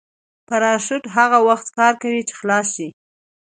پراشوټ هغه وخت کار کوي چې خلاص شي.